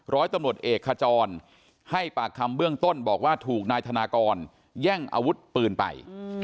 ร้อยตำรวจเอกขจรให้ปากคำเบื้องต้นบอกว่าถูกนายธนากรแย่งอาวุธปืนไป